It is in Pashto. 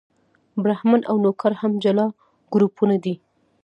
برهمن او نوکر هم جلا ګروپونه دي.